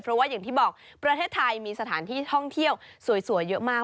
เพราะว่าอย่างที่บอกประเทศไทยมีสถานที่ท่องเที่ยวสวยเยอะมาก